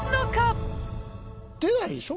出ないでしょ？